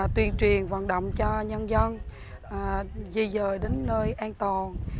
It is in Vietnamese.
tuyên truyền vận động cho nhân dân di dời đến nơi an toàn